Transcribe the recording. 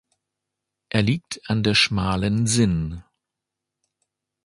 Er liegt an der Schmalen Sinn.